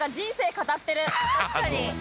確かに。